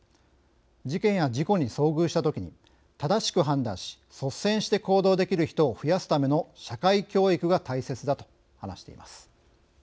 事件や事故に遭遇したときに正しく判断し率先して行動できる人を増やすための社会教育が大切だ」と話しています。